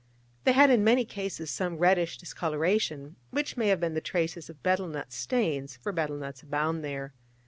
They had in many cases some reddish discoloration, which may have been the traces of betel nut stains: for betel nuts abound there.